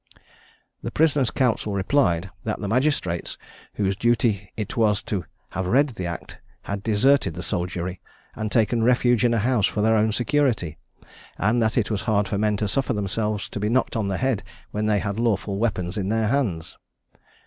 The prisoner's counsel replied, that the magistrates, whose duty it was to have read the Act, had deserted the soldiery, and taken refuge in a house for their own security; and that it was hard for men to suffer themselves to be knocked on the head, when they had lawful weapons in their hands.